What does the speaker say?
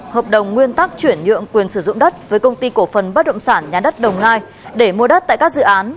hợp đồng nguyên tắc chuyển nhượng quyền sử dụng đất với công ty cổ phần bất động sản nhà đất đồng nai để mua đất tại các dự án